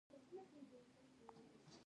تر ټولو اوږد اعصاب پښې ته رسېږي.